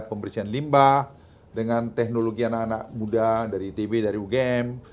pembersihan limbah dengan teknologi anak anak muda dari itb dari ugm